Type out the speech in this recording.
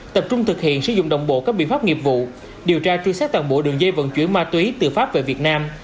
tập trung thực hiện sử dụng đồng bộ các biện pháp nghiệp vụ điều tra truy xét toàn bộ đường dây vận chuyển ma túy từ pháp về việt nam